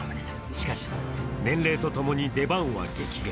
しかし、年齢とともに出番は激減。